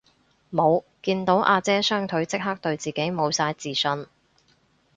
無，見到阿姐雙腿即刻對自己無晒自信